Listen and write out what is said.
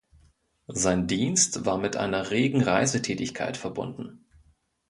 Sein Dienst war mit einer regen Reisetätigkeit verbunden.